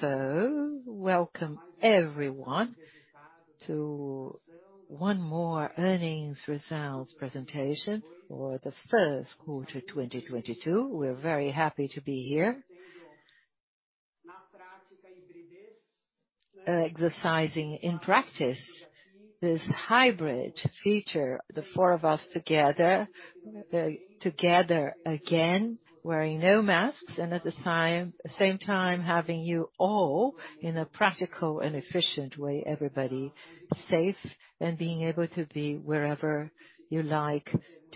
Welcome everyone to one more earnings results presentation for the first quarter 2022. We're very happy to be here. Exercising in practice this hybrid feature, the four of us together again, wearing no masks, and at the same time having you all in a practical and efficient way, everybody safe and being able to be wherever you like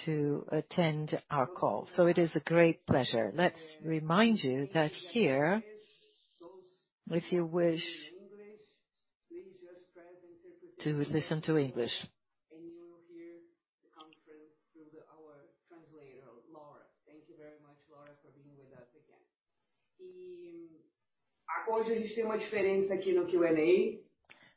to attend our call. It is a great pleasure. Let's remind you that here, if you wish to listen to English. You'll hear the conference through our translator, Laura. Thank you very much, Laura, for being with us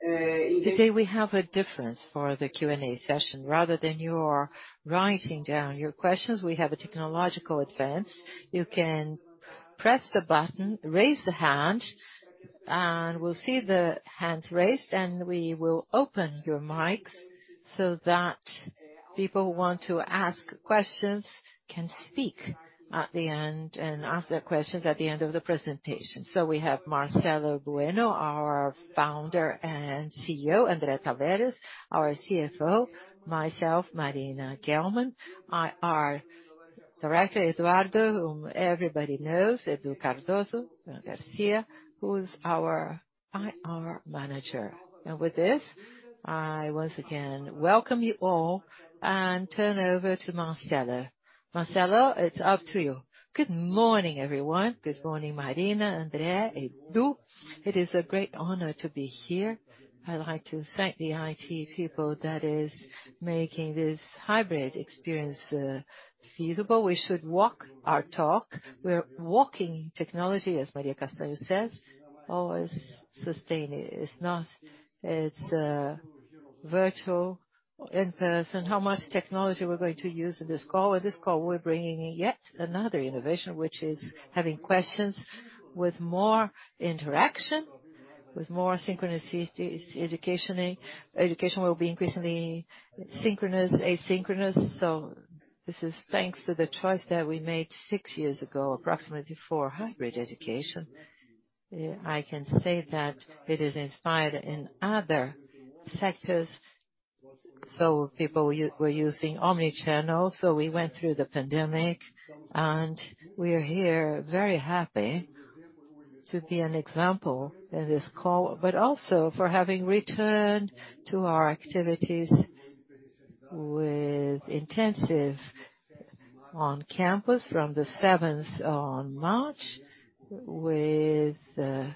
again. Today we have a difference for the Q&A session. Rather than you writing down your questions, we have a technological advance. You can press the button, raise the hand, and we'll see the hands raised, and we will open your mics so that people who want to ask questions can speak at the end and ask their questions at the end of the presentation. We have Marcelo Bueno, our founder and CEO, André Tavares, our CFO, myself, Marina Gelman, our director, Eduardo, whom everybody knows, Edu Cardoso Garcia, who is our IR manager. With this, I once again welcome you all and turn over to Marcelo. Marcelo, it's up to you. Good morning, everyone. Good morning, Marina, André, Edu. It is a great honor to be here. I'd like to thank the IT people that is making this hybrid experience, feasible. We should walk our talk. We're walking technology, as Marina Castro says, always sustain it. It's virtual, in-person, how much technology we're going to use in this call. In this call, we're bringing in yet another innovation, which is having questions with more interaction, with more synchronous educationally. Education will be increasingly synchronous, asynchronous. This is thanks to the choice that we made six years ago, approximately for hybrid education. I can say that it is inspired in other sectors. People we were using omni-channel. We went through the pandemic, and we are here very happy to be an example in this call, but also for having returned to our activities with intensive on campus from the seventh on March. With the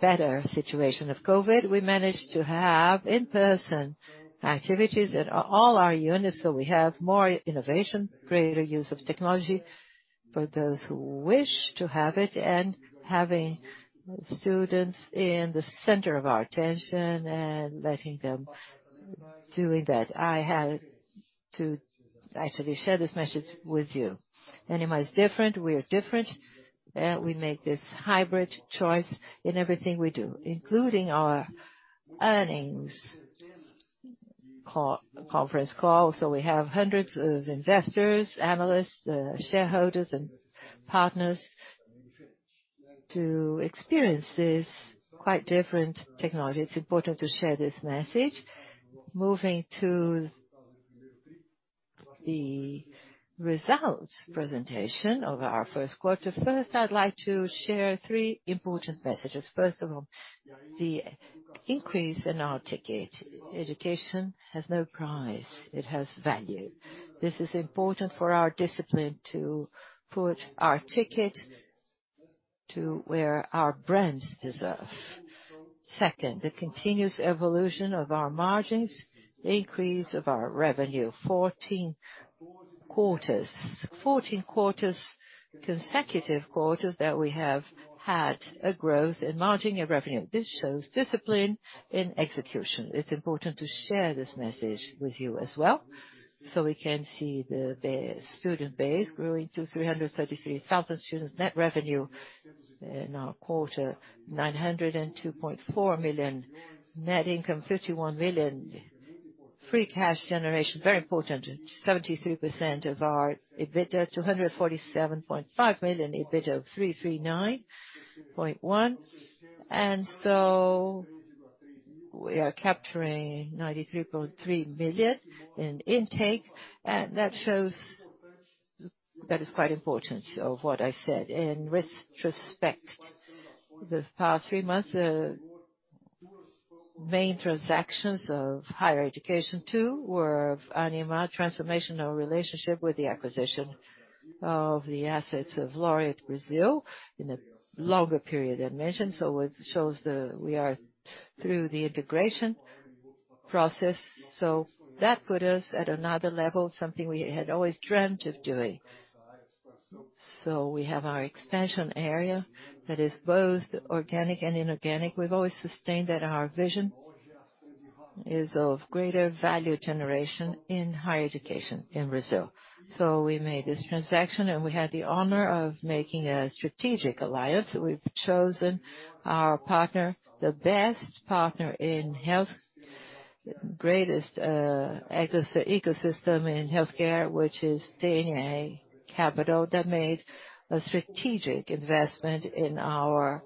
better situation of COVID, we managed to have in-person activities at all our units. We have more innovation, greater use of technology for those who wish to have it and having students in the center of our attention and letting them doing that. I had to actually share this message with you. Ânima is different, we are different. We make this hybrid choice in everything we do, including our earnings call, conference call. We have hundreds of investors, analysts, shareholders and partners to experience this quite different technology. It's important to share this message. Moving to the results presentation of our first quarter. First, I'd like to share three important messages. First of all, the increase in our ticket. Education has no price. It has value. This is important for our discipline to put our ticket to where our brands deserve. Second, the continuous evolution of our margins, the increase of our revenue. Fourteen consecutive quarters that we have had a growth in margin and revenue. This shows discipline in execution. It's important to share this message with you as well. We can see the student base growing to 333,000 students. Net revenue in our quarter, 902.4 million. Net income, 51 million. Free cash generation, very important, 73% of our EBITDA, 247.5 million. EBITDA, 339.1 million. We are capturing 93.3 million in intake. That shows that is quite important of what I said. In retrospect, the past three months, the main transactions of higher education too were of Ânima transformational relationship with the acquisition of the assets of Laureate Brazil in a longer period I mentioned. It shows we are through the integration process. That put us at another level, something we had always dreamt of doing. We have our expansion area that is both organic and inorganic. We've always sustained that our vision is of greater value generation in higher education in Brazil. We made this transaction, and we had the honor of making a strategic alliance. We've chosen our partner, the best partner in health, greatest ecosystem in healthcare, which is DNA Capital, that made a strategic investment in our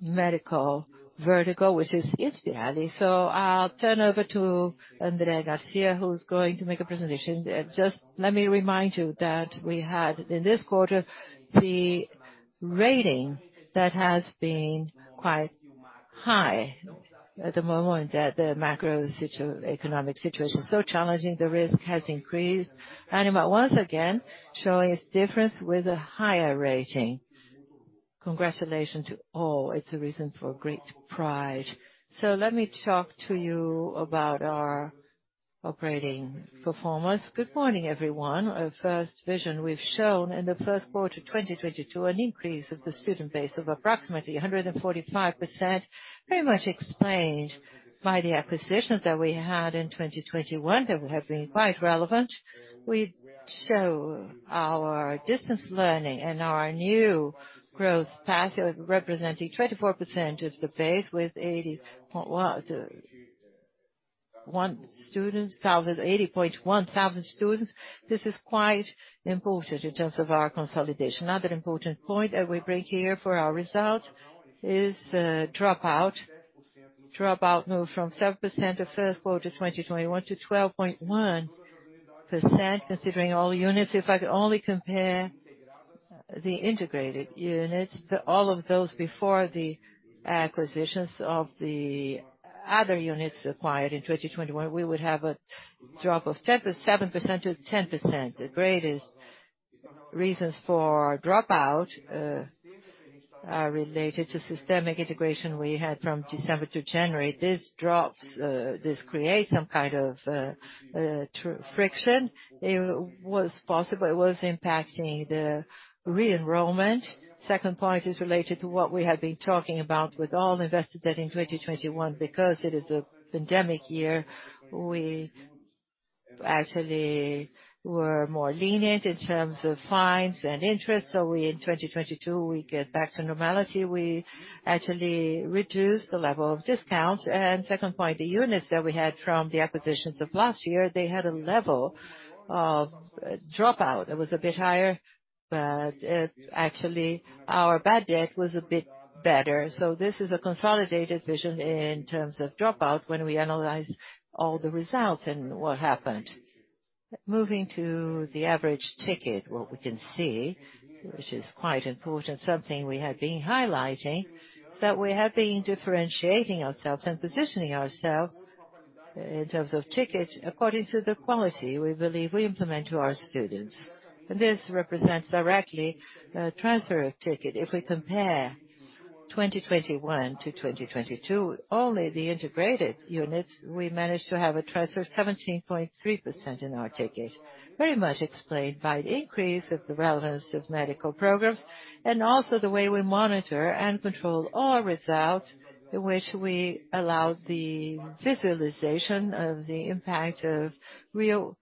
medical vertical, which is Inspirali. I'll turn over to André Tavares, who's going to make a presentation. Just let me remind you that we had, in this quarter, the rating that has been quite high at the moment that the macroeconomic situation is so challenging, the risk has increased. Ânima once again showing its difference with a higher rating. Congratulations to all. It's a reason for great pride. Let me talk to you about our operating performance. Good morning, everyone. Our first vision we've shown in the first quarter 2022 an increase of the student base of approximately 145%, very much explained by the acquisitions that we had in 2021 that have been quite relevant. We show our distance learning and our new growth path representing 24% of the base with 80.1 thousand students. This is quite important in terms of our consolidation. Another important point that we bring here for our results is dropout. Dropout moved from 7% in first quarter 2021 to 12.1% considering all units. If I could only compare the integrated units to all of those before the acquisitions of the other units acquired in 2021, we would have a drop of 10.7% to 10%. The greatest reasons for dropout are related to systemic integration we had from December to January. This creates some kind of friction. It was possible it was impacting the re-enrollment. Second point is related to what we had been talking about with all investors that in 2021, because it is a pandemic year, we actually were more lenient in terms of fines and interest. We, in 2022, get back to normality. We actually reduced the level of discounts. Second point, the units that we had from the acquisitions of last year, they had a level of dropout that was a bit higher, but actually, our bad debt was a bit better. This is a consolidated vision in terms of dropout when we analyze all the results and what happened. Moving to the average ticket, what we can see, which is quite important, something we have been highlighting, that we have been differentiating ourselves and positioning ourselves in terms of tickets according to the quality we believe we implement to our students. This represents directly a transfer of ticket. If we compare 2021 to 2022, only the integrated units, we managed to have a transfer 17.3% in our ticket, very much explained by the increase of the relevance of medical programs. The way we monitor and control all results, in which we allow the visualization of the impact of real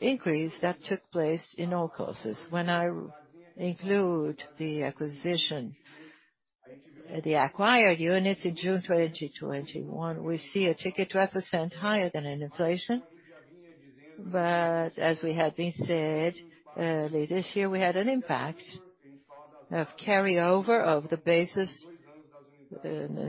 increase that took place in all courses. When I include the acquired units in June 2021, we see a ticket 12% higher than inflation. But as we had been said, this year, we had an impact of carryover of the basis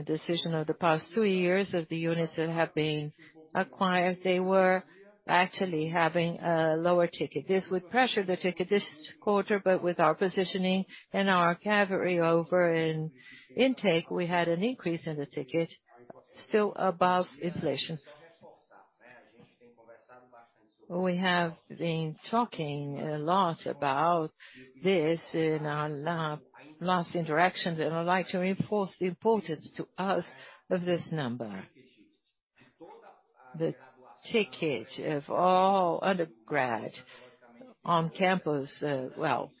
decision of the past two years of the units that have been acquired. They were actually having a lower ticket. This would pressure the ticket this quarter, but with our positioning and our carryover and intake, we had an increase in the ticket still above inflation. We have been talking a lot about this in our last interactions, and I'd like to reinforce the importance to us of this number. The ticket of all undergrad on campus,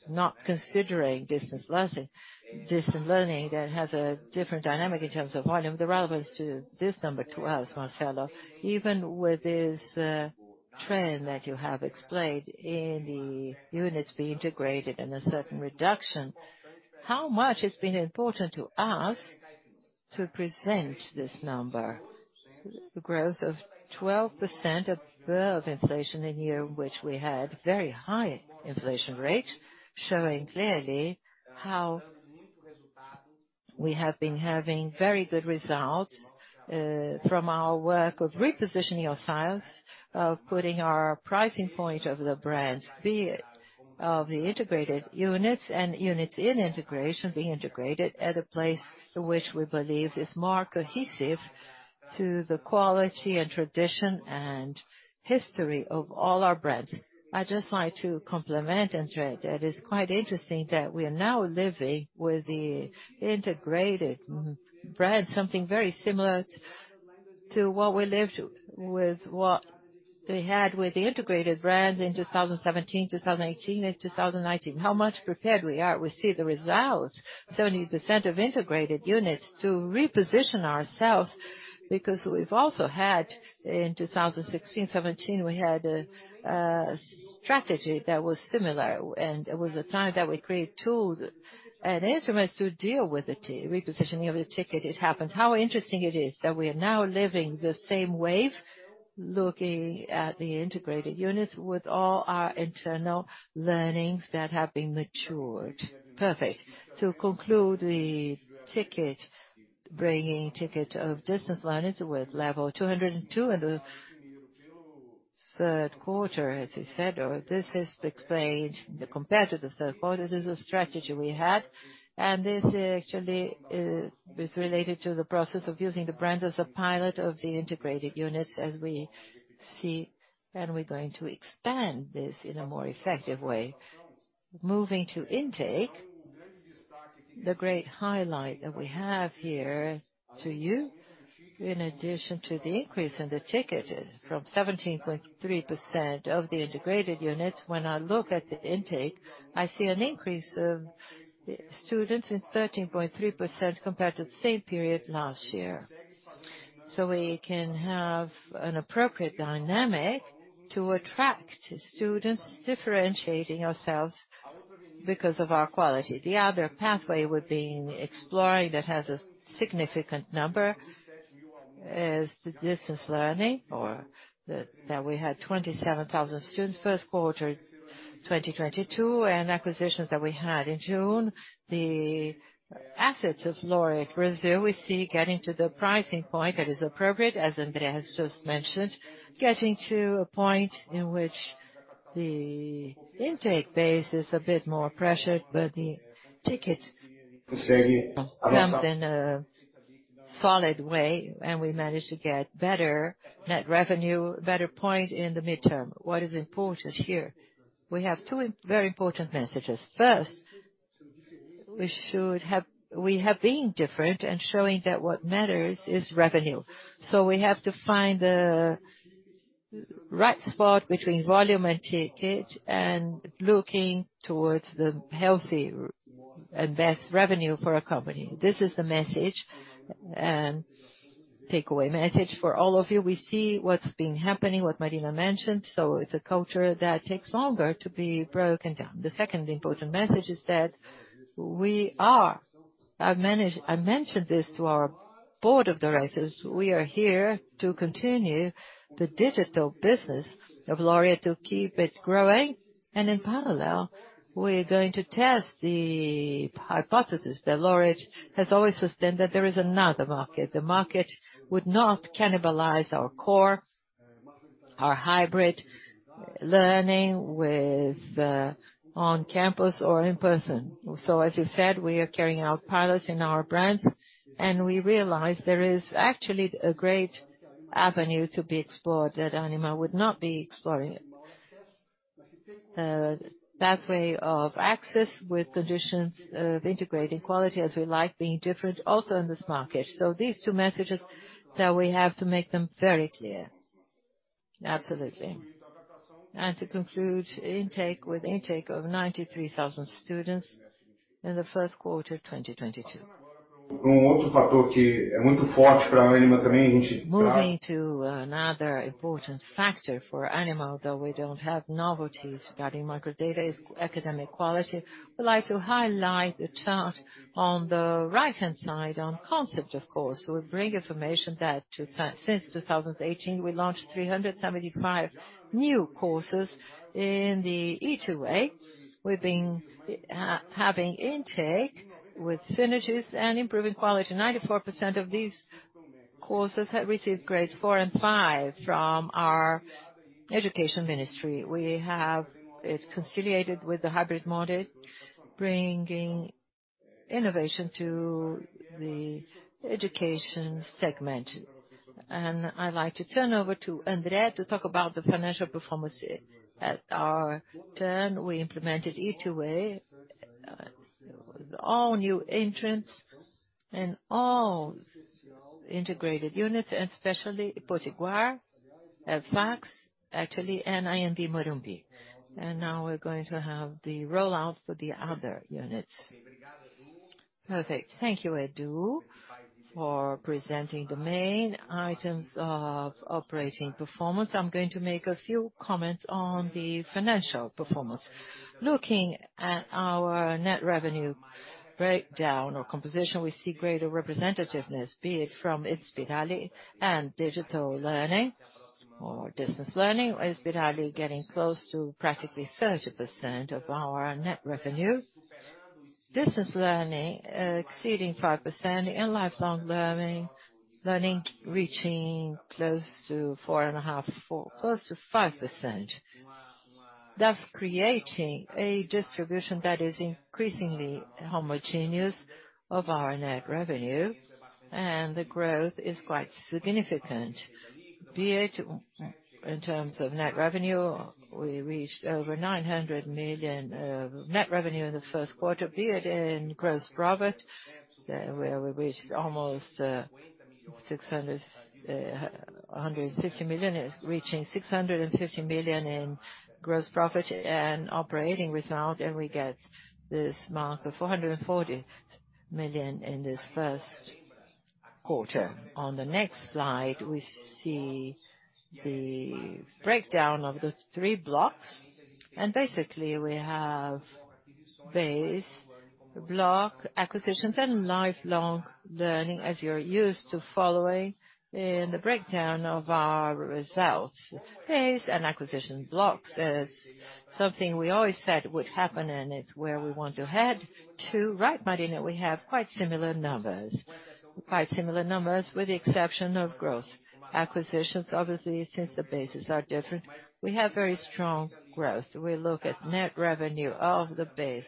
not considering distance learning that has a different dynamic in terms of volume. The relevance to this number to us, Marcelo, even with this trend that you have explained in the units being integrated and a certain reduction, how much it's been important to us to present this number? Growth of 12% above inflation in a year which we had very high inflation rate, showing clearly how we have been having very good results, from our work of repositioning ourselves, of putting our price point of the brands, be it of the integrated units and units in integration being integrated at a place in which we believe is more cohesive to the quality and tradition and history of all our brands. I'd just like to complement, André, that it's quite interesting that we are now living with the integrated brand, something very similar to what we lived with what they had with the integrated brands in 2017, 2018 and 2019. How much prepared we are. We see the results, 70% of integrated units to reposition ourselves because we've also had in 2016, 2017, we had a strategy that was similar and it was a time that we create tools and instruments to deal with the re-positioning of the ticket. It happens. How interesting it is that we are now living the same wave, looking at the integrated units with all our internal learnings that have been matured. Perfect. To conclude the ticket, bringing ticket of distance learners with level 202 in the third quarter, as he said. This is explained compared to the third quarter. This is a strategy we had, and this actually is related to the process of using the brand as a pilot of the integrated units as we see, and we're going to expand this in a more effective way. Moving to intake. The great highlight that we have here to you, in addition to the increase in the ticket from 17.3% of the integrated units. When I look at the intake, I see an increase of students in 13.3% compared to the same period last year. We can have an appropriate dynamic to attract students, differentiating ourselves because of our quality. The other pathway we've been exploring that has a significant number is the distance learning that we had 27,000 students first quarter, 2022. Acquisitions that we had in June, the assets of Laureate Brazil, we see getting to the pricing point that is appropriate, as André has just mentioned, getting to a point in which the intake base is a bit more pressured, but the ticket comes in a solid way and we managed to get better net revenue, better point in the midterm. What is important here? We have two very important messages. First, we have been different and showing that what matters is revenue. We have to find the right spot between volume and ticket and looking towards the healthy and best revenue for our company. This is the message and takeaway message for all of you. We see what's been happening, what Marina mentioned. It's a culture that takes longer to be broken down. The second important message is that we are. I mentioned this to our board of directors. We are here to continue the digital business of Laureate, to keep it growing, and in parallel, we're going to test the hypothesis that Laureate has always sustained that there is another market. The market would not cannibalize our core, our hybrid learning with on campus or in-person. As you said, we are carrying out pilots in our brands, and we realize there is actually a great avenue to be explored that Ânima would not be exploring it. Pathway of access with conditions of integrating quality as we like being different also in this market. These two messages that we have to make them very clear. Absolutely. To conclude, intake of 93,000 students in the first quarter of 2022. Moving to another important factor for Ânima, though we don't have novelties regarding microdata, is academic quality. I'd like to highlight the chart on the right-hand side on concept, of course. We bring information that since 2018, we launched 375 new courses in the E2A. We've been having intake with synergies and improving quality. 94% of these courses have received grades 4 and 5 from our education ministry. We have it consolidated with the hybrid model, bringing innovation to the education segment. I'd like to turn over to André to talk about the financial performance. At our turn, we implemented E2A with all new entrants and all integrated units, especially Potiguar, FMU, actually, and Anhembi Morumbi. Now we're going to have the rollout for the other units. Perfect. Thank you, Edu, for presenting the main items of operating performance. I'm going to make a few comments on the financial performance. Looking at our net revenue breakdown or composition, we see greater representativeness, be it from Inspirali and digital learning or distance learning. Inspirali getting close to practically 30% of our net revenue. Distance learning exceeding 5% and lifelong learning reaching close to 4.5%, close to 5%. Thus creating a distribution that is increasingly homogeneous of our net revenue and the growth is quite significant. Be it in terms of net revenue, we reached over 900 million of net revenue in the first quarter. Be it in gross profit. Yeah, where we reached almost 650 million, is reaching 650 million in gross profit and operating result, and we get this mark of 440 million in this first quarter. On the next slide, we see the breakdown of the three blocks, and basically, we have base block, acquisitions and lifelong learning, as you're used to following in the breakdown of our results. Base and acquisition blocks is something we always said would happen, and it's where we want to head to, right, Marina? We have quite similar numbers with the exception of growth acquisitions, obviously, since the bases are different. We have very strong growth. We look at net revenue of the base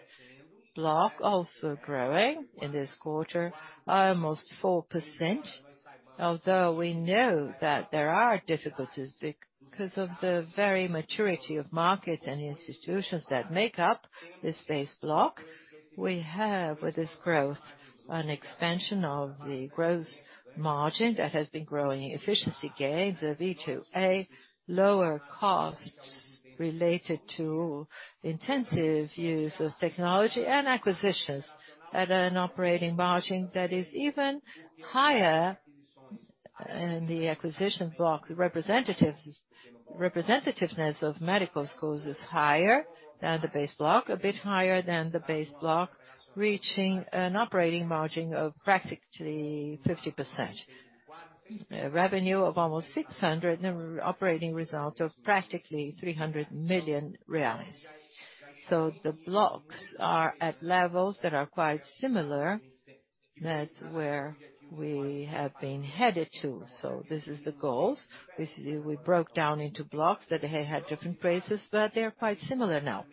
block also growing in this quarter, almost 4%. Although we know that there are difficulties because of the very maturity of markets and institutions that make up this base block, we have, with this growth, an expansion of the growth margin that has been growing efficiency gains of E2A, lower costs related to intensive use of technology and acquisitions at an operating margin that is even higher in the acquisition block. The representativeness of medical schools is higher than the base block, a bit higher than the base block, reaching an operating margin of practically 50%. Revenue of almost 600 million and operating result of practically 300 million. The blocks are at levels that are quite similar. That's where we have been headed to. This is the goals. We broke down into blocks that had different phases, but they're quite similar now.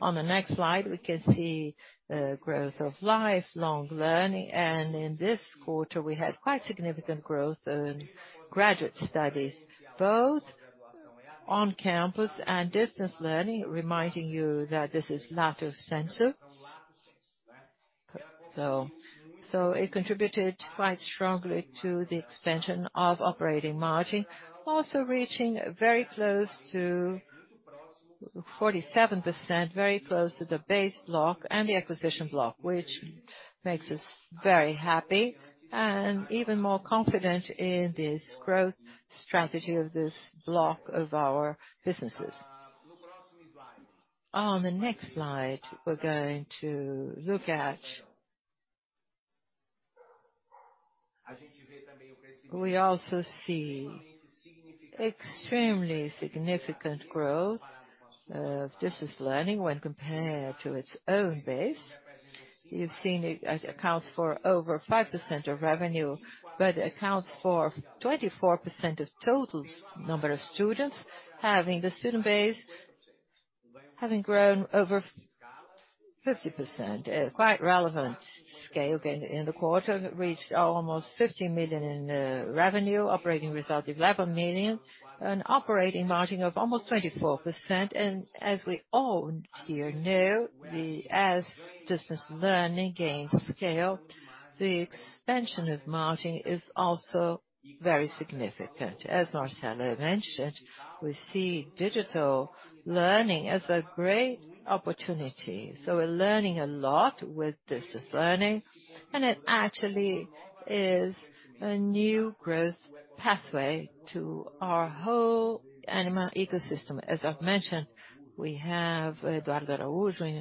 On the next slide, we can see growth of lifelong learning. In this quarter, we had quite significant growth in graduate studies, both on campus and distance learning, reminding you that this is lato sensu. It contributed quite strongly to the expansion of operating margin, also reaching very close to 47%, very close to the base block and the acquisition block, which makes us very happy and even more confident in this growth strategy of this block of our businesses. On the next slide, we're going to look at. We also see extremely significant growth of distance learning when compared to its own base. You've seen it accounts for over 5% of revenue, but accounts for 24% of total number of students, having grown over 50%, quite relevant scale in the quarter, reached almost 50 million in revenue, operating result of 11 million, an operating margin of almost 24%. As we all here know, as distance learning gains scale, the expansion of margin is also very significant. As Marcelo mentioned, we see digital learning as a great opportunity. We're learning a lot with distance learning, and it actually is a new growth pathway to our whole Ânima ecosystem. As I've mentioned, we have Eduardo [d]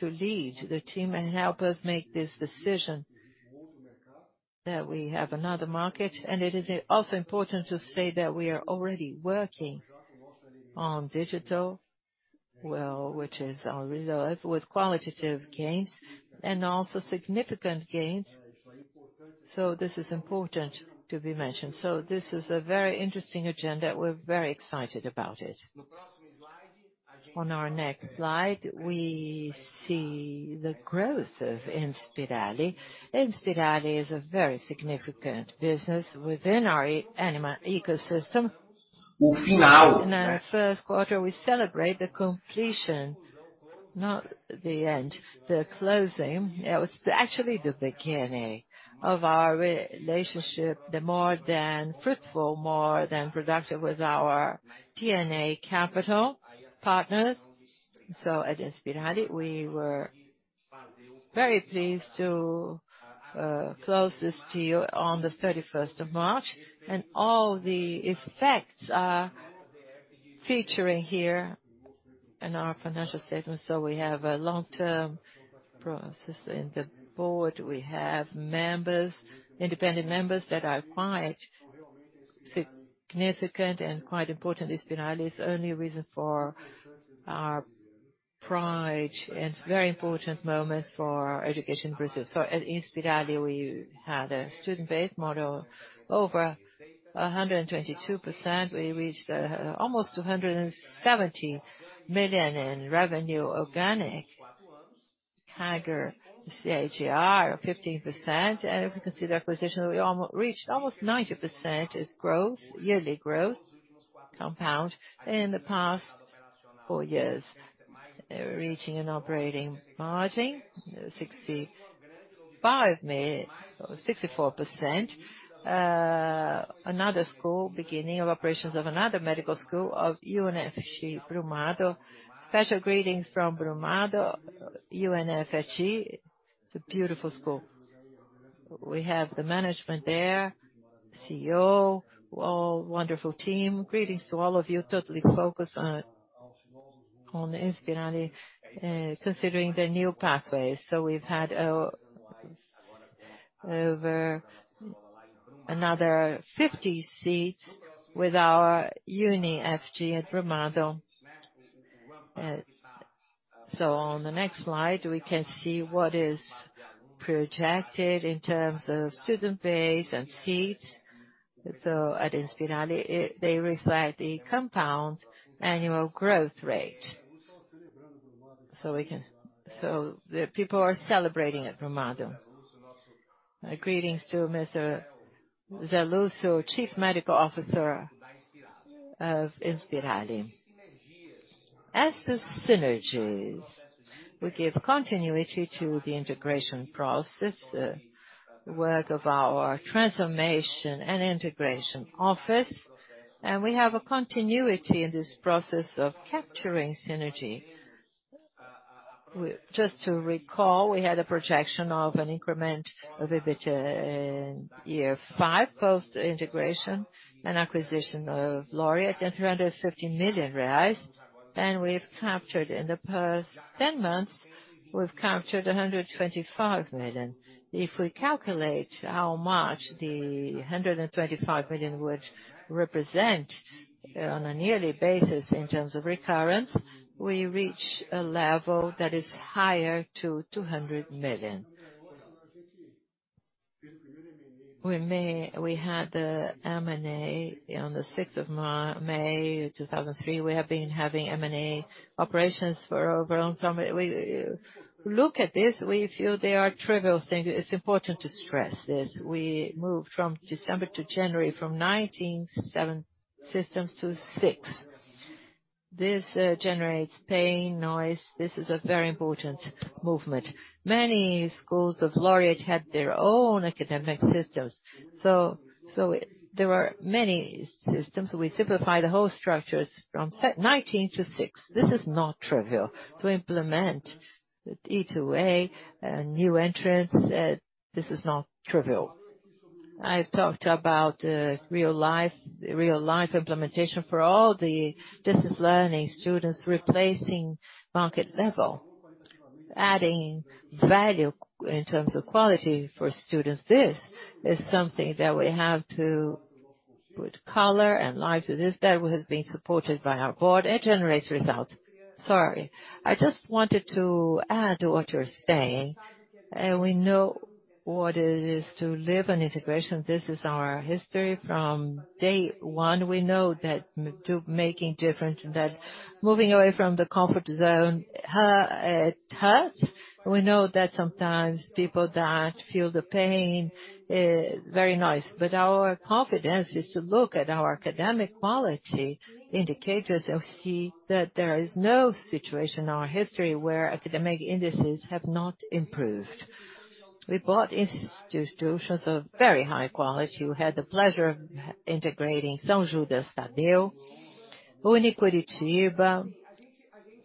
to lead the team and help us make this decision that we have another market. It is also important to say that we are already working on digital, well, which is our result with qualitative gains and also significant gains. This is important to be mentioned. This is a very interesting agenda. We're very excited about it. On our next slide, we see the growth of Inspirali. Inspirali is a very significant business within our Ânima ecosystem. In our first quarter, we celebrate the completion, not the end, the closing. It was actually the beginning of our relationship, the more than fruitful, more than productive with our DNA Capital partners. At Inspirali, we were very pleased to close this deal on the 31st March, and all the effects are featuring here in our financial statement. We have a long-term process in the board. We have members, independent members that are quite significant and quite important. Inspirali is only a reason for our pride and it's a very important moment for our education in Brazil. At Inspirali, we had a student-based model, over 122%. We reached almost 270 million in revenue, organic CAGR of 15%. If we consider the acquisition, we reached almost 90% of growth, yearly growth compound in the past four years, reaching an operating margin of 64%. Beginning of operations of another medical school of UniFG Brumado. Special greetings from Brumado, UniFG. It's a beautiful school. We have the management there, CEO, all wonderful team. Greetings to all of you, totally focused on Inspirali, considering the new pathways. We've had over another 50 seats with our UniFG at Brumado. On the next slide, we can see what is projected in terms of student base and seats. At Inspirali, they reflect the compound annual growth rate. The people are celebrating at Brumado. Greetings to Mr. Zeluso, Chief Medical Officer of Inspirali. As to the synergies, we give continuity to the integration process, work of our transformation and integration office, and we have continuity in this process of capturing synergy. Just to recall, we had a projection of an increment of EBIT in year five, post-integration and acquisition of Laureate at 350 million reais. In the past 10 months, we've captured 125 million. If we calculate how much the 125 million would represent on a yearly basis in terms of recurrence, we reach a level that is higher than 200 million. We had the M&A on the sixth of May, 2003. We have been having M&A operations for over on some. Look at this, we feel they are trivial things. It is important to stress this. We moved from December to January, from 19 systems to six. This generates pain, noise. This is a very important movement. Many schools of Laureate had their own academic systems. There were many systems. We simplify the whole structures from 19 to six. This is not trivial to implement E2A, new entrants. This is not trivial. I've talked about real-life implementation for all the distance learning students replacing market level, adding value in terms of quality for students. This is something that we have to put color and life to this, that has been supported by our board. It generates results. Sorry. I just wanted to add to what you're saying. We know what it is to live an integration. This is our history from day one. We know that making difference, that moving away from the comfort zone, it hurts. We know that sometimes people that feel the pain, very nice. Our confidence is to look at our academic quality indicators and see that there is no situation in our history where academic indices have not improved. We bought institutions of very high quality. We had the pleasure of integrating São Judas Tadeu, UniCuritiba.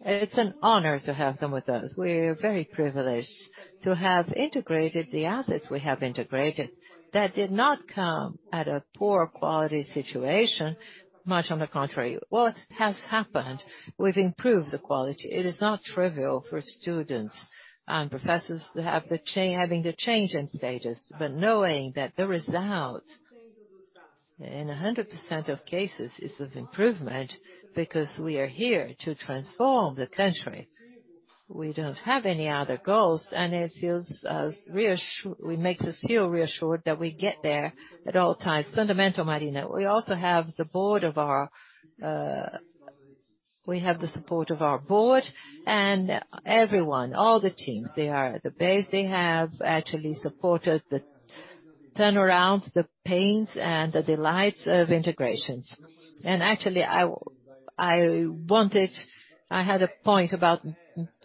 It's an honor to have them with us. We're very privileged to have integrated the assets we have integrated that did not come at a poor quality situation, much on the contrary. What has happened, we've improved the quality. It is not trivial for students and professors to have the change in stages, but knowing that the result in 100% of cases is of improvement because we are here to transform the country. We don't have any other goals, and it makes us feel reassured that we get there at all times. Fundamental, Marina. We also have the support of our board and everyone, all the teams, they are at the base. They have actually supported the turnarounds, the pains and the delights of integrations. Actually, I had a point about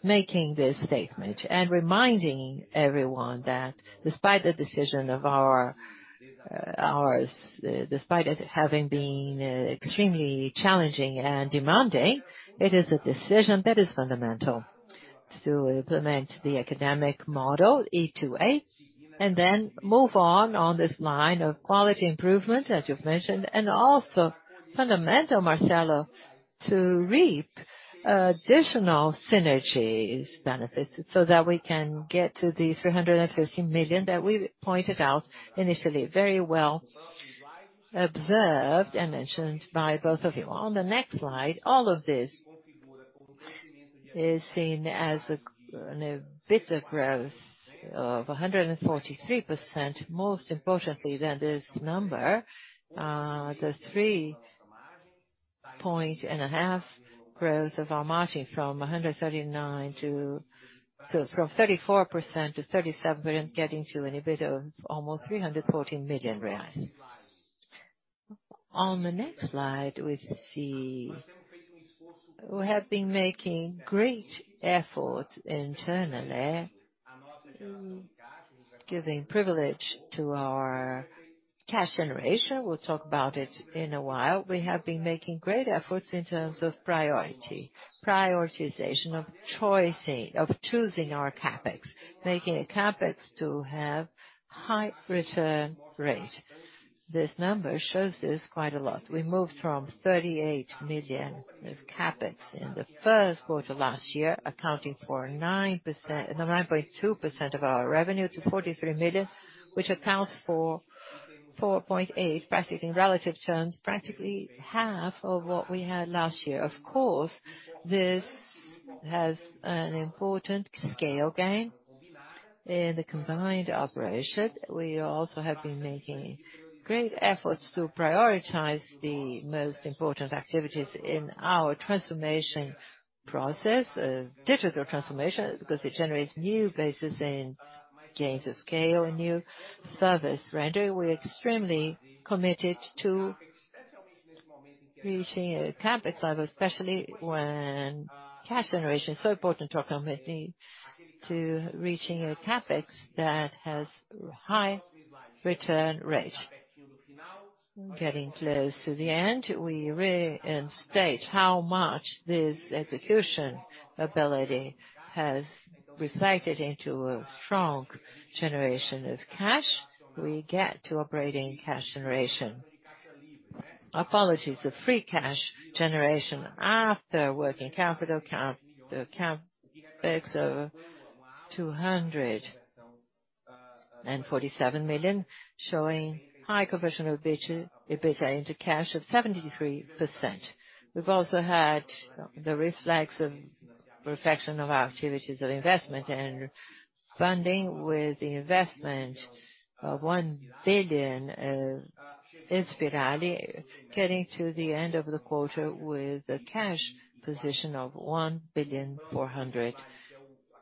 making this statement and reminding everyone that despite the decision of ours, despite it having been extremely challenging and demanding, it is a decision that is fundamental to implement the academic model E2A, and then move on this line of quality improvement, as you've mentioned, and also fundamental, Marcelo, to reap additional synergies benefits so that we can get to the 350 million that we pointed out initially. Very well observed and mentioned by both of you. On the next slide, all of this is seen as an EBITDA growth of 143%. More importantly than this number, the 3.5% growth of our margin from 34% to 37%, getting to an EBITDA of almost 314 million reais. On the next slide, we see we have been making great efforts internally, giving priority to our cash generation. We'll talk about it in a while. We have been making great efforts in terms of priority, prioritization of choosing our CapEx, making CapEx to have high return rate. This number shows this quite a lot. We moved from 38 million of CapEx in the first quarter last year, accounting for 9.2% of our revenue to 43 million, which accounts for 4.8%, practically in relative terms, practically half of what we had last year. Of course, this has an important scale gain in the combined operation. We also have been making great efforts to prioritize the most important activities in our transformation process, digital transformation, because it generates new basis in gains of scale and new service rendering. We're extremely committed to reaching a CapEx level, especially when cash generation is so important to our company, to reaching a CapEx that has high return rate. Getting close to the end, we reinstate how much this execution ability has reflected into a strong generation of cash. We get to operating cash generation. Apologies, the free cash generation after working capital count, the CapEx over 247 million, showing high conversion of EBITDA into cash of 73%. We've also had the reflection of our activities of investment and funding with the investment of 1 billion, Inspirali, getting to the end of the quarter with a cash position of 1.4 billion.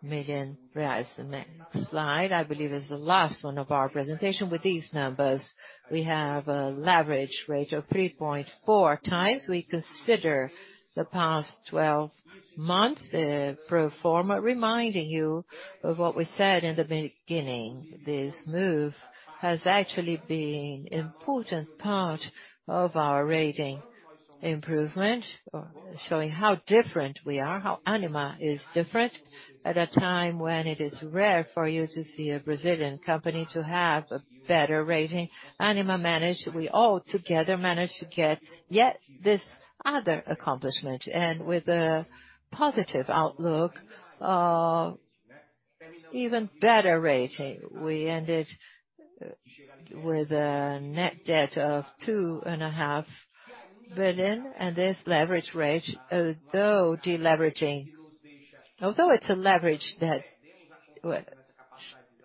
The next slide, I believe, is the last one of our presentation. With these numbers, we have a leverage rate of 3.4x. We consider the past 12 months, pro forma, reminding you of what we said in the beginning. This move has actually been important part of our rating improvement, showing how different we are, how Ânima is different. At a time when it is rare for you to see a Brazilian company to have a better rating, Ânima managed. We all together managed to get yet this other accomplishment. With a positive outlook of even better rating, we ended with a net debt of 2.5 billion. This leverage rate, although it's a leverage debt,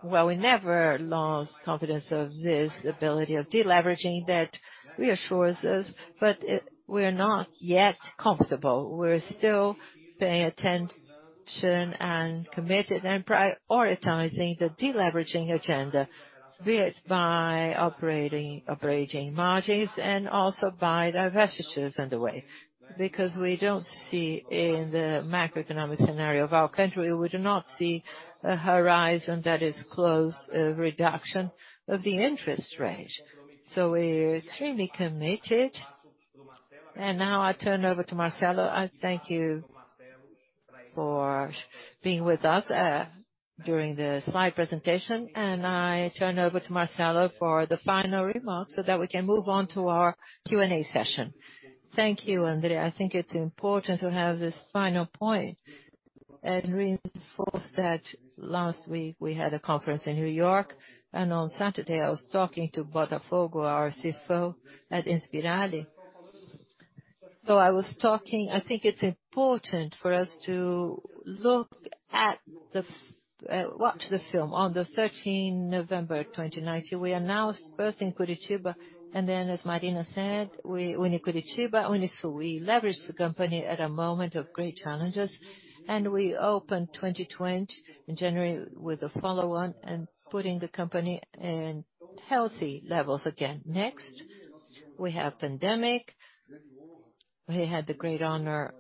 well, we never lost confidence of this ability of deleveraging debt reassures us. We are not yet comfortable. We're still paying attention and committed and prioritizing the deleveraging agenda, be it by operating margins and also by divestitures underway. Because we don't see in the macroeconomic scenario of our country, we do not see a horizon that is close, reduction of the interest rate. We're extremely committed. Now I turn over to Marcelo. I thank you for being with us during the slide presentation. I turn over to Marcelo for the final remarks so that we can move on to our Q&A session. Thank you, André. I think it's important to have this final point and reinforce that last week we had a conference in New York, and on Saturday I was talking to Botafogo, our CFO at Inspirali. I think it's important for us to watch the film. On the 13 November 2019, we announced both in Curitiba, and then, as Marina said, when in Curitiba, only so we leveraged the company at a moment of great challenges, and we opened 2020 in January with a follow-on and putting the company in healthy levels again. Next, we have pandemic. We had the great honor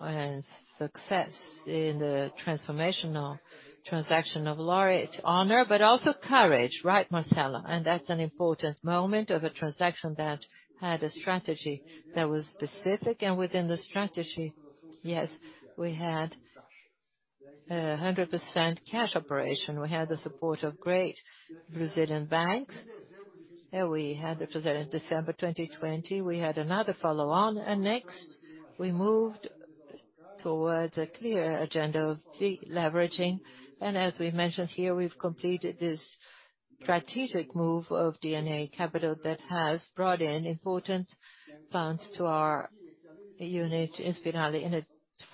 and success in the transformational transaction of Laureate. Honor, but also courage, right, Marcelo? That's an important moment of a transaction that had a strategy that was specific. Within the strategy, yes, we had a 100% cash operation. We had the support of great Brazilian banks. December 2020, we had another follow-on. Next, we moved towards a clear agenda of deleveraging. As we mentioned here, we've completed this strategic move of DNA Capital that has brought in important funds to our unit, Inspirali.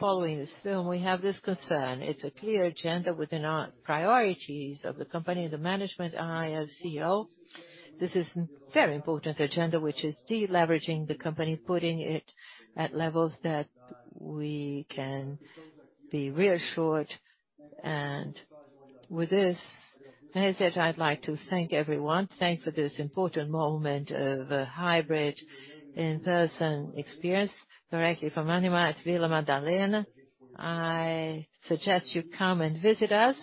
Following this, we'll have this concern. It's a clear agenda within our priorities of the company, the management, I as CEO. This is very important agenda, which is de-leveraging the company, putting it at levels that we can be reassured. With this, that is it. I'd like to thank everyone. Thanks for this important moment of hybrid in-person experience directly from Ânima at Vila Madalena. I suggest you come and visit us.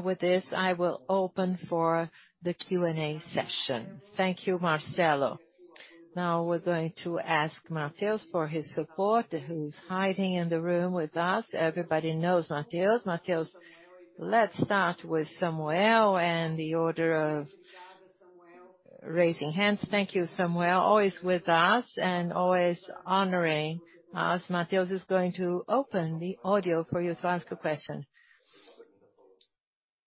With this, I will open for the Q&A session. Thank you, Marcelo. Now, we're going to ask Matheus for his support, who's hiding in the room with us. Everybody knows Matheus. Matheus, let's start with Samuel and the order of raising hands. Thank you, Samuel. Always with us and always honoring us. Matheus is going to open the audio for you to ask a question.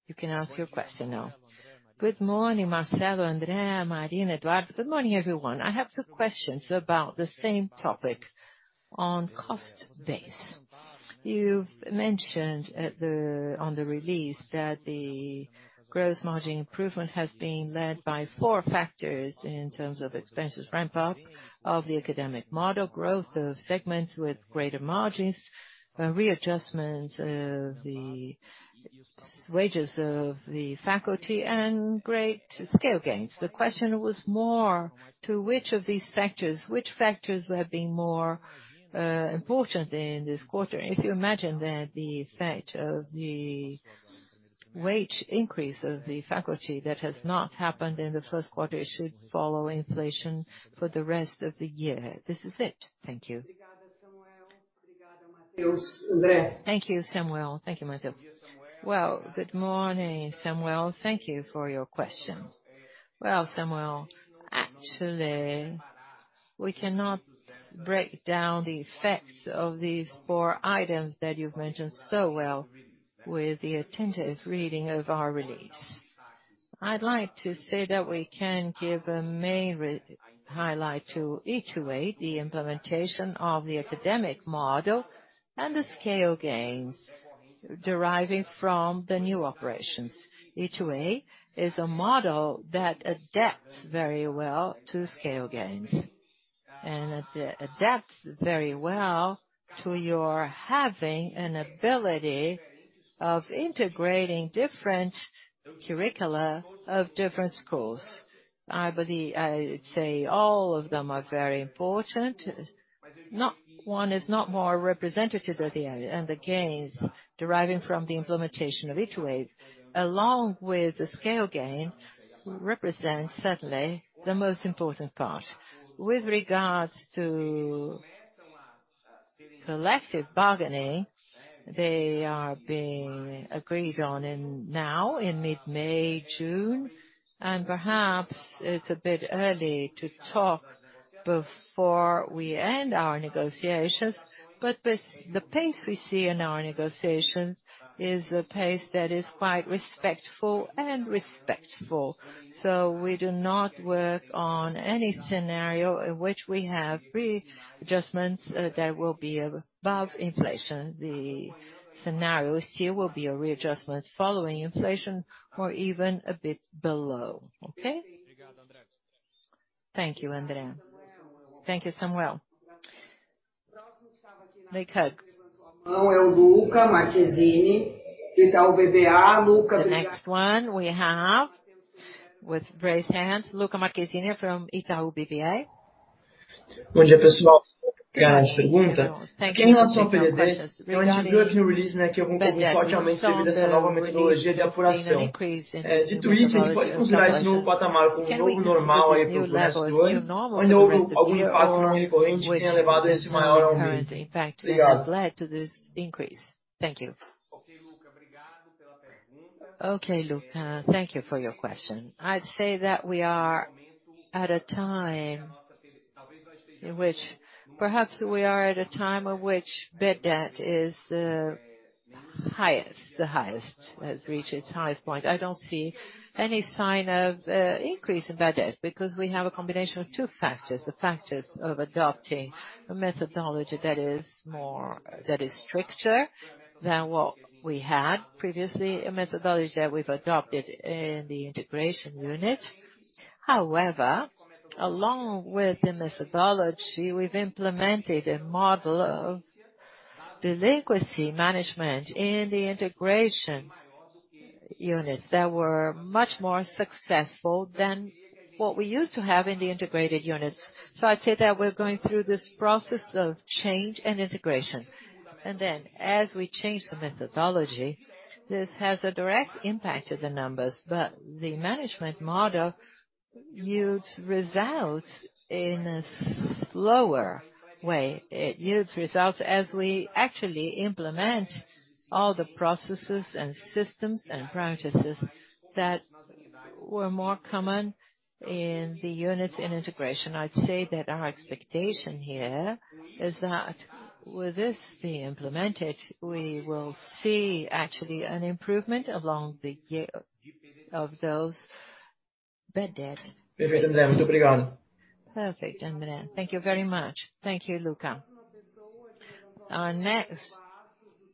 You can ask your question now. Good morning, Marcelo, André, Marina, Eduardo. Good morning, everyone. I have two questions about the same topic on cost base. You've mentioned on the release that the gross margin improvement has been led by four factors in terms of expenses ramp up of the academic model growth, the segments with greater margins, the readjustment of the wages of the faculty and greater scale gains. The question was more to which factors have been more important in this quarter. If you imagine that the effect of the wage increase of the faculty that has not happened in the first quarter, it should follow inflation for the rest of the year. This is it. Thank you. Thank you, Samuel. Thank you, Matheus. Well, good morning, Samuel. Thank you for your question. Well, Samuel, actually, we cannot break down the effects of these four items that you've mentioned so well with the attentive reading of our release. I'd like to say that we can give a main highlight to E2A way the implementation of the academic model and the scale gains deriving from the new operations. E2A way is a model that adapts very well to scale gains and adapts very well to your having an ability of integrating different curricula of different schools. I'd say all of them are very important. None is more representative of the gains deriving from the implementation of E2A, along with the scale gains, represent certainly the most important part. With regards to collective bargaining, they are being agreed on in mid-May, June, and perhaps it's a bit early to talk before we end our negotiations. The pace we see in our negotiations is a pace that is quite respectful. We do not work on any scenario in which we have readjustments that will be above inflation. The scenario here will be a readjustment following inflation or even a bit below. Okay. Thank you, André. Thank you, Samuel. Big hug. The next one we have with raised hands, Luca Marchesini from Itaú BBA. Thank you for your question. Yeah, we saw in the release there's been an increase in the methodology of collection. Can we consider the new level as the new normal represented here, which is now the current impact that has led to this increase? Thank you. Okay, Luca. Thank you for your question. I'd say that we are at a time in which bad debt is the highest. It has reached its highest point. I don't see any sign of increase in bad debt because we have a combination of two factors, the factors of adopting a methodology that is stricter than what we had previously, a methodology that we've adopted in the integration unit. However, along with the methodology, we've implemented a model of delinquency management in the integration units that were much more successful than what we used to have in the integrated units. I'd say that we're going through this process of change and integration. As we change the methodology, this has a direct impact to the numbers. The management model yields results in a slower way. It yields results as we actually implement all the processes and systems and practices that were more common in the units in integration. I'd say that our expectation here is that with this being implemented, we will see actually an improvement along the year of those bad debt. Perfect, André. Thank you very much. Thank you, Luca. Our next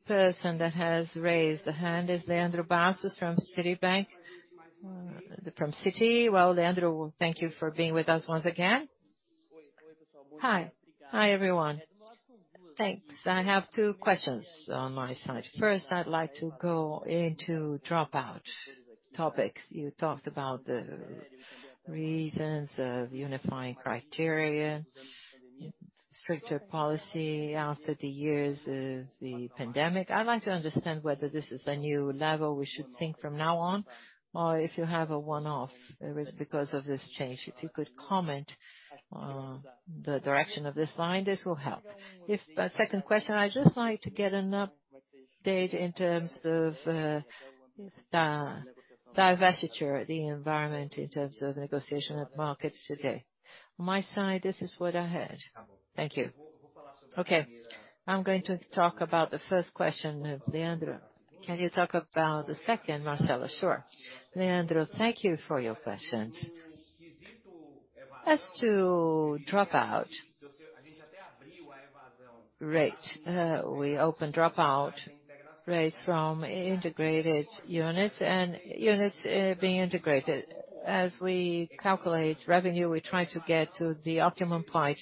person that has raised the hand is Leandro Bastos from Citibank. From Citi. Well, Leandro, thank you for being with us once again. Hi. Hi, everyone. Thanks. I have two questions on my side. First, I'd like to go into dropout topics. You talked about the reasons of unifying criteria, stricter policy after the years of the pandemic. I'd like to understand whether this is a new level we should think from now on, or if you have a one-off because of this change. If you could comment on the direction of this line, this will help. Second question, I just like to get an update in terms of the divestiture, the environment in terms of negotiation of markets today. My side, this is what I had. Thank you. Okay. I'm going to talk about the first question of Leandro. Can you talk about the second, Marcelo? Sure. Leandro, thank you for your questions. As to dropout rate, we have dropout rates from integrated units and units being integrated. As we calculate revenue, we try to get to the optimum point,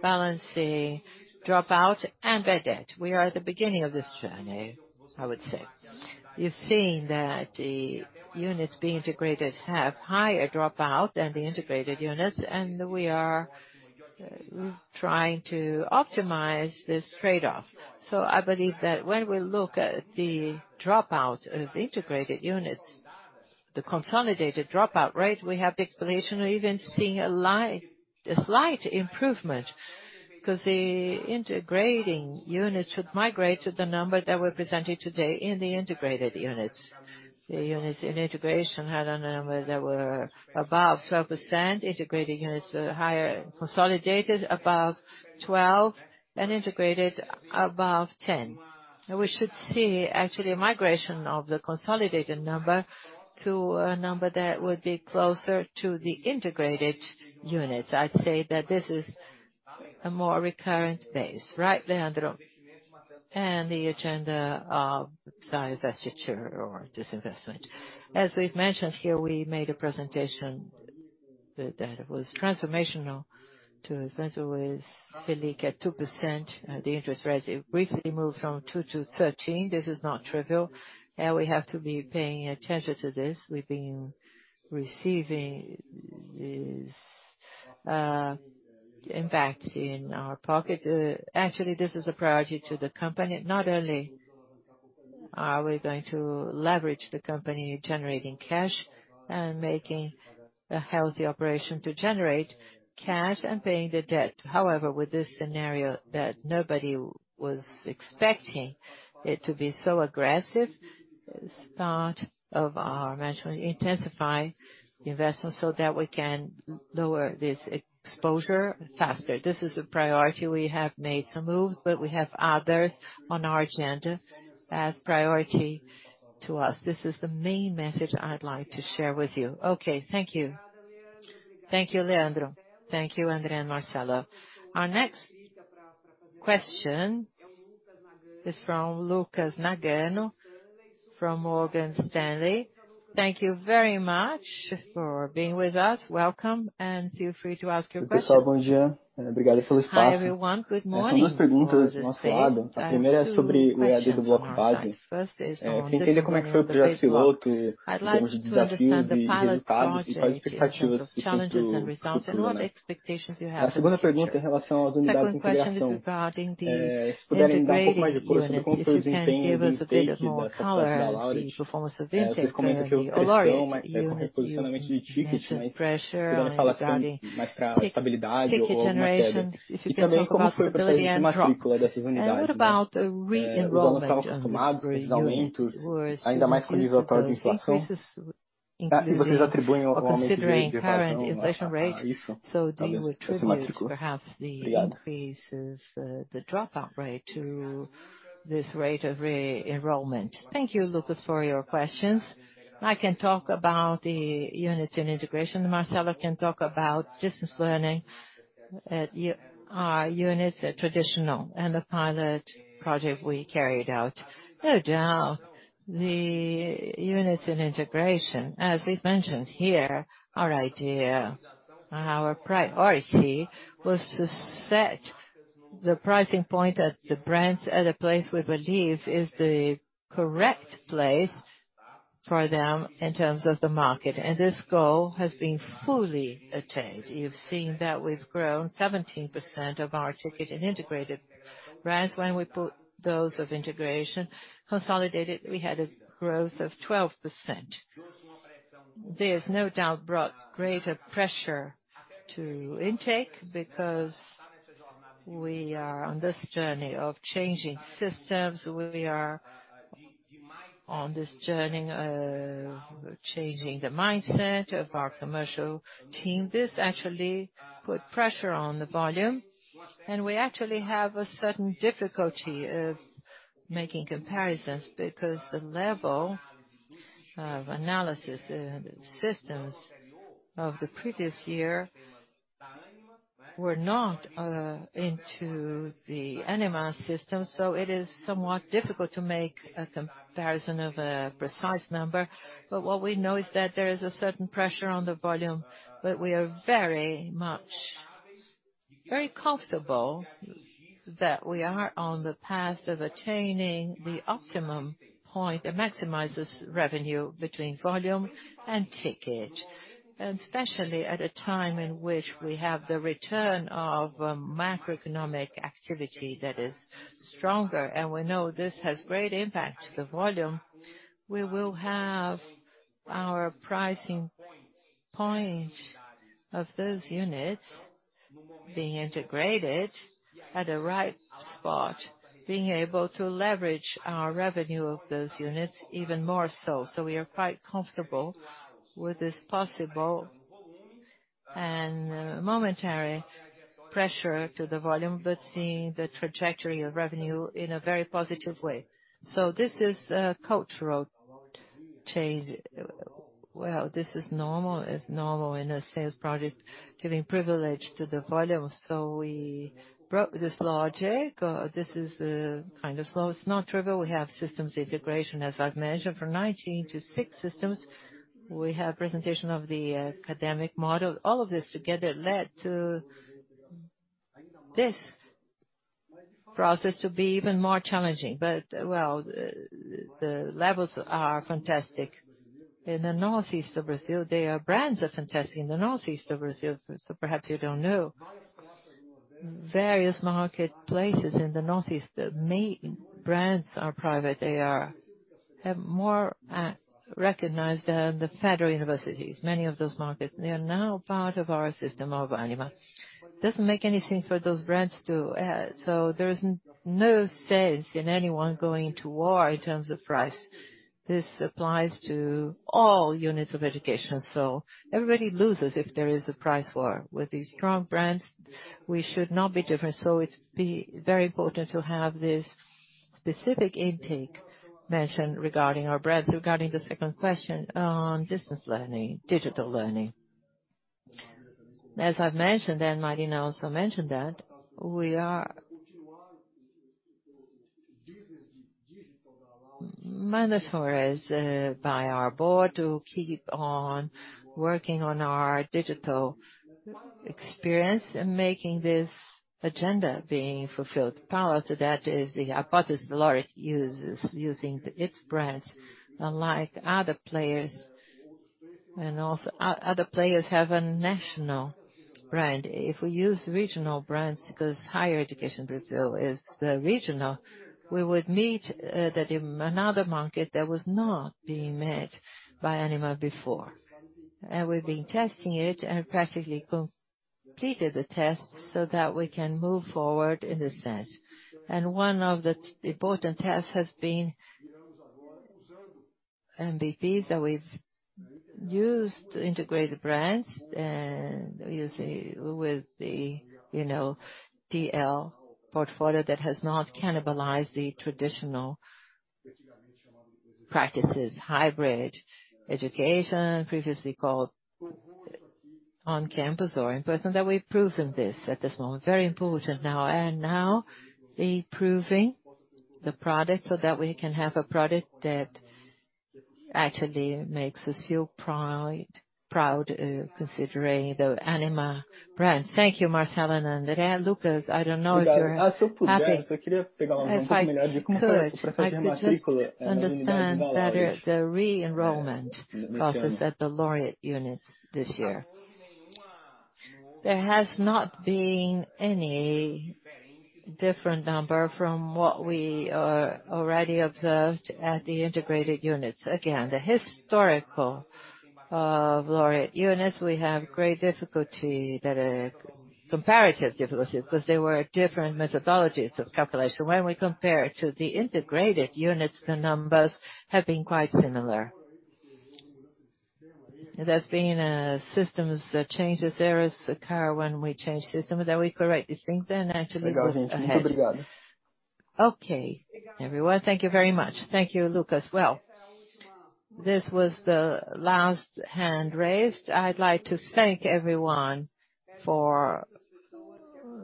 balancing dropout and bad debt. We are at the beginning of this journey, I would say. You've seen that the units being integrated have higher dropout than the integrated units, and we are trying to optimize this trade-off. I believe that when we look at the dropout of integrated units, the consolidated dropout rate, we have the explanation, we're even seeing a slight improvement because the integrating units should migrate to the number that we're presenting today in the integrated units. The units in integration had a number that were above 12%, integrated units are lower, consolidated above 12%, and integrated above 10%. We should see actually migration of the consolidated number to a number that would be closer to the integrated units. I'd say that this is a more recurrent base. Right, Leandro? The agenda of divestiture or disinvestment. As we've mentioned here, we made a presentation that was transformational to invest with [Felipe] at 2%. The interest rate briefly moved from 2% to 13%. This is not trivial, and we have to be paying attention to this. We've been receiving this impact in our pocket. Actually, this is a priority to the company. Not only are we going to leverage the company generating cash and making a healthy operation to generate cash and paying the debt. However, with this scenario that nobody was expecting it to be so aggressive, it's part of our management intensify investment so that we can lower this exposure faster. This is a priority. We have made some moves, but we have others on our agenda as priority to us. This is the main message I'd like to share with you. Okay. Thank you. Thank you, Leandro. Thank you, André and Marcelo. Our next question is from Lucas Nagano from Morgan Stanley. Thank you very much for being with us. Welcome, and feel free to ask your question. Hi, everyone. Good morning. For the space, I have two questions on our side. First is on differentiating the grade block. I'd like to understand the pilot project in terms of challenges and results, and what expectations you have in the future. Second question is regarding the integrating units. If you can give us a bit more color on the performance of intake, mainly Laureate. You mentioned pressure regarding ticket generation. If you can talk about stability and drop. What about re-enrollment on these three units? Were students used to those increases, including or considering current inflation rate? Do you attribute perhaps the increases, the dropout rate to this rate of re-enrollment? Thank you, Lucas, for your questions. I can talk about the units in integration. Marcelo can talk about distance learning at our units at traditional and the pilot project we carried out. No doubt, the units in integration, as we've mentioned here, our idea, our priority was to set the pricing point at the brands at a place we believe is the correct place for them in terms of the market, and this goal has been fully attained. You've seen that we've grown 17% on our ticket in integrated brands. When we put those of integration consolidated, we had a growth of 12%. This no doubt brought greater pressure to intake because we are on this journey of changing systems. We are on this journey of changing the mindset of our commercial team. This actually put pressure on the volume, and we actually have a certain difficulty of making comparisons because the level of analysis and systems of the previous year were not into the Ânima system. It is somewhat difficult to make a comparison of a precise number. What we know is that there is a certain pressure on the volume, but we are very much, very comfortable that we are on the path of attaining the optimum point that maximizes revenue between volume and ticket, and especially at a time in which we have the return of macroeconomic activity that is stronger and we know this has great impact to the volume. We will have our pricing point of those units being integrated at the right spot, being able to leverage our revenue of those units even more so. We are quite comfortable with this possible and momentary pressure to the volume, but seeing the trajectory of revenue in a very positive way. This is a cultural change. This is normal, it's normal in a sales project giving privilege to the volume. We broke this logic. This is kind of slow. It's not trivial. We have systems integration, as I've mentioned, from 19 to 6 systems. We have presentation of the academic model. All of this together led to this process to be even more challenging. The levels are fantastic. In the Northeast of Brazil, there are brands are fantastic in the Northeast of Brazil. Perhaps you don't know. Various marketplaces in the Northeast, major brands are private. They are more recognized than the federal universities. Many of those markets, they are now part of our system of Ânima. It doesn't make sense for those brands to, so there's no sense in anyone going to war in terms of price. This applies to all units of education. Everybody loses if there is a price war. With these strong brands, we should not be different. It's very important to have this specific intake mentioned regarding our brands. Regarding the second question on distance learning, digital learning. As I've mentioned, and Marina also mentioned that we are mandated by our board to keep on working on our digital experience and making this agenda being fulfilled. Prior to that is the hypothesis Laureate uses its brands, unlike other players. Other players have a national brand. If we use regional brands, because higher education in Brazil is regional, we would meet that in another market that was not being met by Ânima before. We've been testing it and practically completed the test so that we can move forward in a sense. One of the important tests has been MVPs that we've used to integrate the brands and using with the, you know, DL portfolio that has not cannibalized the traditional practices, hybrid education previously called on-campus or in-person, that we've proven this at this moment. Very important now. Now improving the product so that we can have a product that actually makes us feel proud considering the Ânima brand. Thank you, Marcelo and André. Lucas, I don't know if you're happy. If I could just understand better the re-enrollment process at the Laureate units this year. There has not been any different number from what we already observed at the integrated units. Again, the historical of Laureate units, we have great difficulty that, comparative difficulty because they were different methodologies of calculation. When we compare to the integrated units, the numbers have been quite similar. There's been systems changes, errors occur when we change system, then we correct these things and actually move ahead. Okay, everyone. Thank you very much. Thank you, Lucas. Well, this was the last hand raised. I'd like to thank everyone for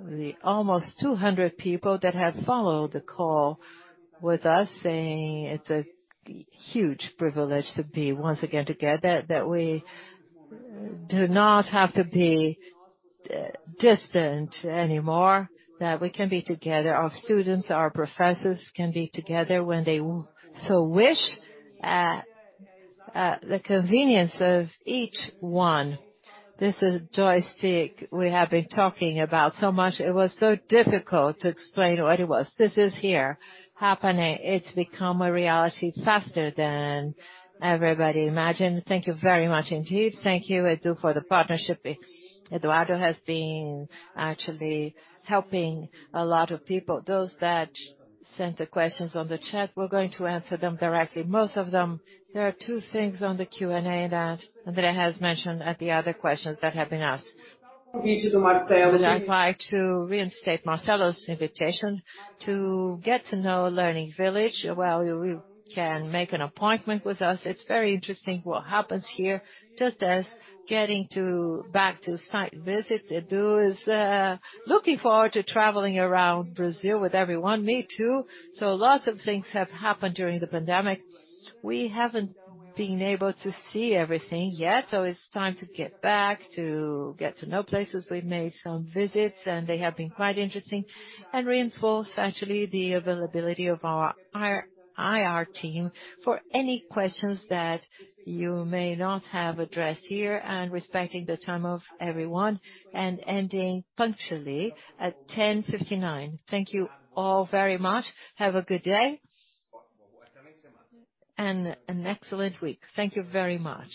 the almost 200 people that have followed the call with us, saying it's a huge privilege to be once again together, that we do not have to be distant anymore, that we can be together. Our students, our professors can be together when they so wish at the convenience of each one. This is joystick we have been talking about so much. It was so difficult to explain what it was. This is here happening. It's become a reality faster than everybody imagined. Thank you very much indeed. Thank you Edu for the partnership. Eduardo has been actually helping a lot of people. Those that sent the questions on the chat, we're going to answer them directly, most of them. There are two things on the Q&A that André has mentioned at the other questions that have been asked. I'd like to reinstate Marcelo's invitation to get to know Learning Village. Well, you can make an appointment with us. It's very interesting what happens here. Just as getting to back to site visits, Edu is looking forward to traveling around Brazil with everyone. Me too. Lots of things have happened during the pandemic. We haven't been able to see everything yet, so it's time to get back to get to know places. We've made some visits, and they have been quite interesting. Reinforce actually the availability of our IR team for any questions that you may not have addressed here and respecting the time of everyone and ending punctually at 10:59. Thank you all very much. Have a good day and an excellent week. Thank you very much.